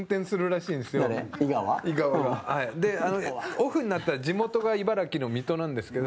オフになったら地元が茨城の水戸なんですけど